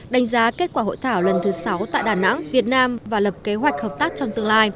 đánh giá kết quả hội thảo lần thứ sáu tại đà nẵng việt nam và lập kế hoạch hợp tác trong tương lai